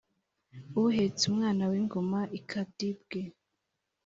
Uhetse umwana w’ingoma ikadibwe !